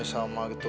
sama geng balkon teh